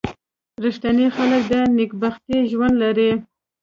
• رښتیني خلک د نېکبختۍ ژوند لري.